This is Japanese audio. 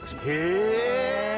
へえ。